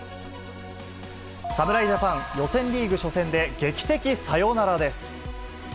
侍ジャパン、予選リーグ初戦で、劇的サヨナラです。